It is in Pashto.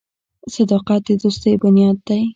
• صداقت د دوستۍ بنیاد دی.